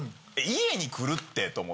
家に来るってと思って。